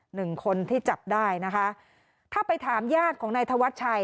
หนึ่งคนที่จับได้นะคะถ้าไปถามญาติของนายธวัชชัย